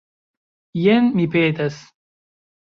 Jen, mi petas.